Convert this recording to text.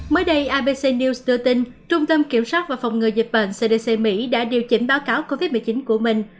mới đây abc news đưa tin trung tâm kiểm soát và phòng ngừa dịch bệnh cdc mỹ đã điều chỉnh báo cáo covid một mươi chín của mình